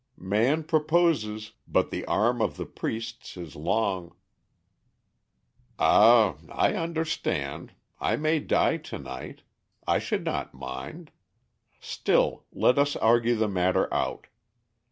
"Man proposes, but the arm of the priests is long." "Ah, I understand. I may die to night. I should not mind. Still, let us argue the matter out.